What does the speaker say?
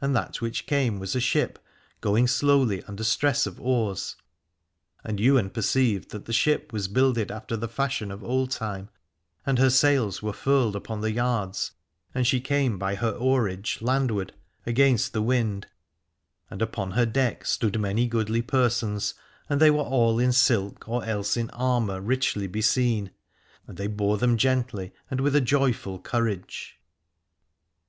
And that which came was a ship, going slowly under stress of oars : and Ywain perceived that the ship was builded after the fashion of old time, and her sails were furled upon the yards, and she came by her oarage landward against 326 Aladore the wind. And upon her deck stood many goodly persons : and they were all in silk or else in armour richly beseen, and they bore them gently and with a joyful courage.